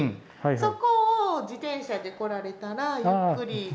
そこを自転車で来られたらゆっくり回れば。